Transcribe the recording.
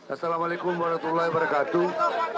assalamualaikum warahmatullahi wabarakatuh